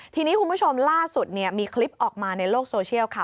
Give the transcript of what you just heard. ทีนี้คุณผู้ชมล่าสุดมีคลิปออกมาในโลกโซเชียลค่ะ